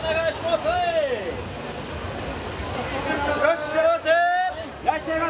いらっしゃいませ。